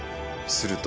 「すると」？